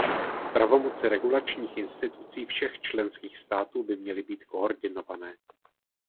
Pravomoci regulačních institucí všech členských států by měly být koordinované.